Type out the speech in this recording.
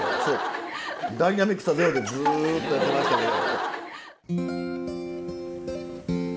ダイナミックさゼロでずっとやってましたけど。